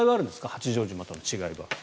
八丈島との違いは。